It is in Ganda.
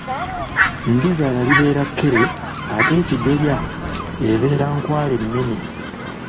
Ndizaala liba kkere ate ekijolya ebeera Nkwale ennene.